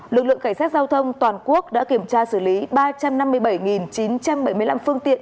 lực lượng cảnh sát giao thông toàn quốc đã kiểm tra xử lý ba trăm năm mươi bảy chín trăm bảy mươi năm phương tiện